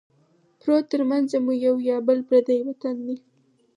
پروت ترمنځه مو یو یا بل پردی وطن دی